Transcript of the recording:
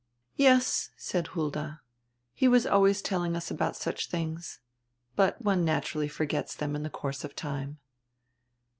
"Yes," said Hulda, "he was always telling us about such tilings. But one naturally forgets diem in die course of time."